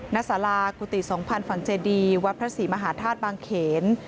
นักศาลากุฏิสองพันธ์ฝั่งเจดีย์วัฒนศรีมหาธาตุบางเขน